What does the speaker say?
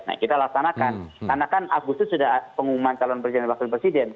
nah kita laksanakan karena kan agustus sudah pengumuman calon presiden dan wakil presiden